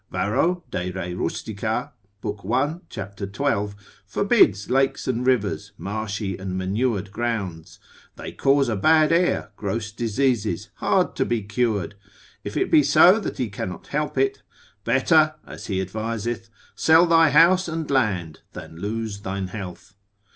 Varro de re rust. lib. 1. cap. 12. forbids lakes and rivers, marshy and manured grounds, they cause a bad air, gross diseases, hard to be cured: if it be so that he cannot help it, better (as he adviseth) sell thy house and land than lose thine health.